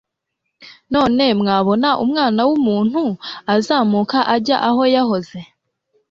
None mwabona Umwana w'umuntu azamuka ajya aho yahoze,